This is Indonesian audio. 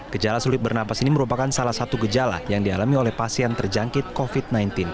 gejala sulit bernapas ini merupakan salah satu gejala yang dialami oleh pasien terjangkit covid sembilan belas